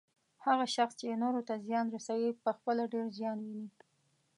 هغه شخص چې نورو ته زیان رسوي، پخپله ډیر زیان ويني